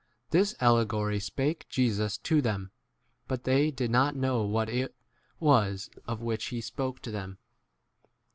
This allegory spake Jesus to them, but they n did not know what it was 7 [of] which he spoke to them.